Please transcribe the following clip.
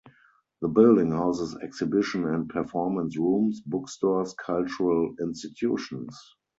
The building houses exhibition and performance rooms, bookstores, cultural institutions.